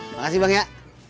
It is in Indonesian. makasih bang ya